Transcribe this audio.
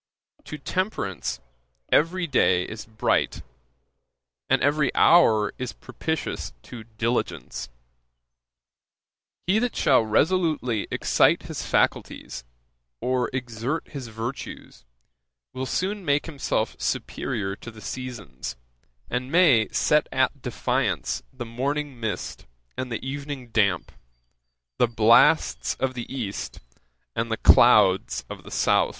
To temperance, every day is bright; and every hour is propitious to diligence. He that shall resolutely excite his faculties, or exert his virtues, will soon make himself superiour to the seasons; and may set at defiance the morning mist and the evening damp, the blasts of the east, and the clouds of the south.'